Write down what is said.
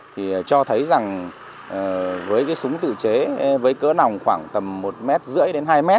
thì cho thấy rằng với cái súng tự chế với cỡ nòng khoảng tầm một m ba đến hai m